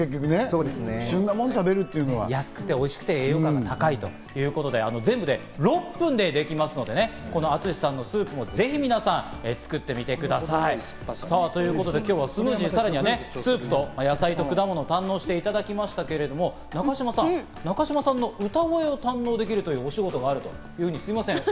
安くておいしくて栄養価が高いということで、全部で６分でできますので、このＡｔｓｕｓｈｉさんのスープ、ぜひ皆さん、作ってみてください。ということで今日はスムージー、さらにスープと、野菜と果物を堪能していただきましたけど中島さん、中島さんの歌声を堪能できるという推しゴトがあるんですよね？